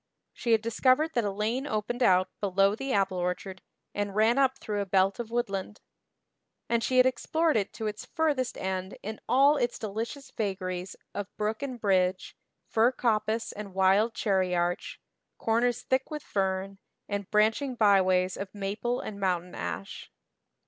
She had discovered that a lane opened out below the apple orchard and ran up through a belt of woodland; and she had explored it to its furthest end in all its delicious vagaries of brook and bridge, fir coppice and wild cherry arch, corners thick with fern, and branching byways of maple and mountain ash.